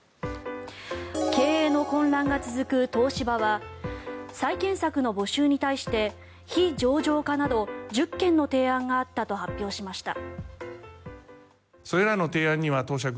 経営の混乱が続く東芝は再建策の募集に対して非上場化など１０件の提案があったと発表しました。